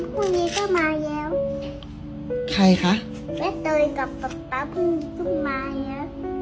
พรุ่งนี้ก็มาแล้วใครคะแม่โตยกับป๊าพรุ่งนี้ก็มาแล้ว